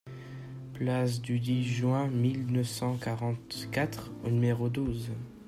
Place du dix Juin mille neuf cent quarante-quatre au numéro douze